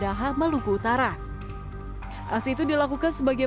di kota kedengar di kota kedengar di kota kedengar di kota kedengar di kota kedengar